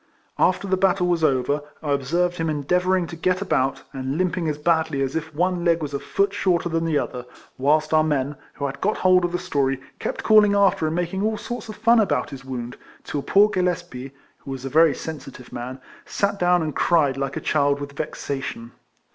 After the battle was over, I observed him endeavouring to get about, and limping as badly as if one leg was a foot shorter than the other, whilst our men, who had got hold u 146 RECOLLECTIONS OF of the story, kept calling after, and making all sorts of fun about his wound; till poor Gillespie (who was a very sensitive man) sat down and cried like a child with vexa tion.